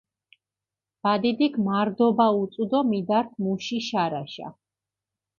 ბადიდიქ მარდობა უწუ დო მიდართჷ მუში შარაშა.